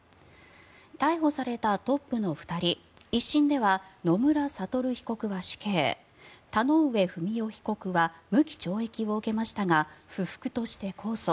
逮捕されたトップの２人１審では野村悟被告は死刑田上不美夫被告は無期懲役を受けましたが不服として控訴。